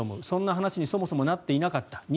そんな話にそもそもなっていなかった。